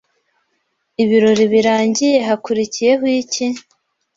Ibirori birangiye hakurikiyeho iki ?